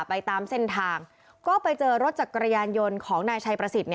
ไปตามเส้นทางก็ไปเจอรถจักรยานยนต์ของนายชัยประสิทธิ์